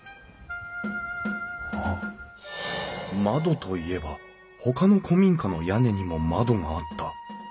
窓といえばほかの古民家の屋根にも窓があった。